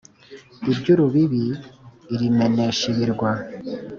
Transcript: iry’urubibi irimenesha ibirwa,